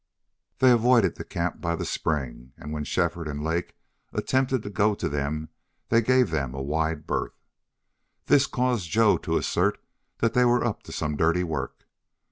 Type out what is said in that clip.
They avoided the camp by the spring, and when Shefford and Lake attempted to go to them they gave them a wide berth. This caused Joe to assert that they were up to some dirty work.